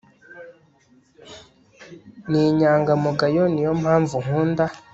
Ni inyangamugayo Niyo mpamvu nkunda